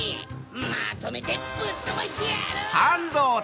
まとめてぶっとばしてやる！